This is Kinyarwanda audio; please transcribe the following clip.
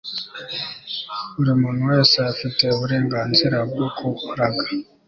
buri muntu wese afite uburenganzira bwo kuraga